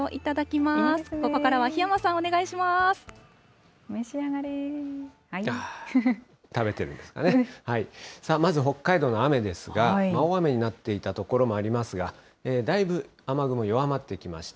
まず北海道の雨ですが、大雨になっていた所もありますが、だいぶ雨雲、弱まってきました。